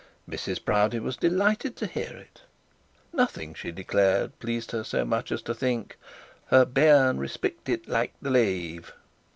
Mrs Proudie was delighted to hear it; nothing, she declared, pleased her so much as to think Her bairn respectit like the lave.